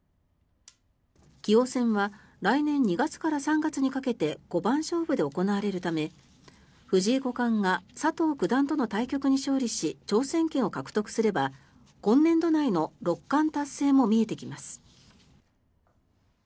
棋王戦は来年２月から３月にかけて五番勝負で行われるため藤井五冠が佐藤九段との対局に勝利し挑戦権を獲得すれば今年度内の六冠達成も見えてきます。